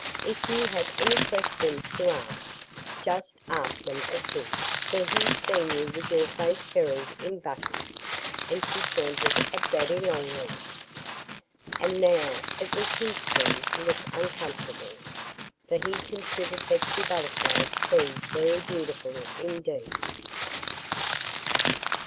"If you have any questions to ask, just ask 'em of him, for he's seen you with your face buried in butter!" And she pointed at Daddy Longlegs. And now it was his turn to look uncomfortable. For he considered Betsy Butterfly to be very beautiful indeed.